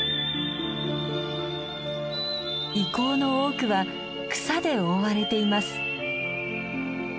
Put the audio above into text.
遺構の多くは草で覆われています。